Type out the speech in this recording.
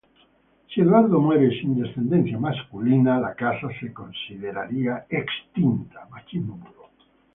Si Eduardo muere sin descendencia masculina, la Casa se consideraría extinta.